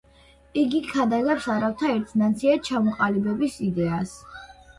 იგი ქადაგებს არაბთა ერთ ნაციად ჩამოყალიბების იდეას.